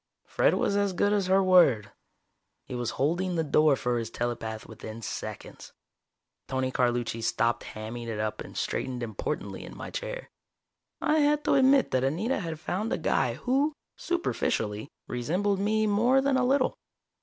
Fred was as good as her word. He was holding the door for his telepath within seconds. Tony Carlucci stopped hamming it up and straightened importantly in my chair. I had to admit that Anita had found a guy who, superficially, resembled me more than a little.